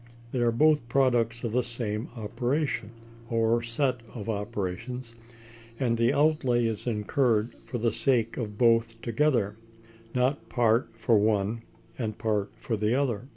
They are both products of the same operation, or set of operations, and the outlay is incurred for the sake of both together, not part for one and part for the other.